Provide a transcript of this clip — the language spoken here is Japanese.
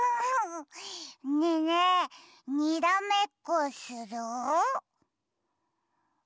ねえねえにらめっこする？